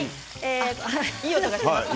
いい音がします。